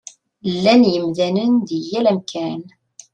Llan yemdanen di yal amkan.